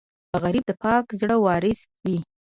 غریب د پاک زړه وارث وي